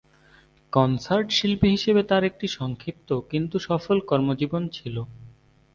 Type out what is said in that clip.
Concert শিল্পী হিসেবে তার একটি সংক্ষিপ্ত, কিন্তু সফল কর্মজীবন ছিল।